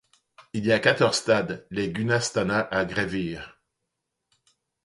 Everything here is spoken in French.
Il y a quatorze stades, les gunasthanas à gravir.